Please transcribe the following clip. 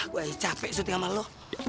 gue aja capek suti sama lo